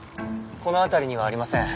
この辺りにはありません。